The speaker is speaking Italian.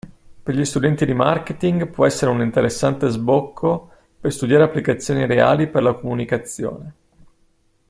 Per gli studenti di marketing può essere un interessante sbocco per studiare applicazioni reali per la comunicazione.